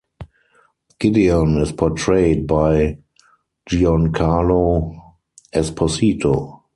Gideon is portrayed by Giancarlo Esposito.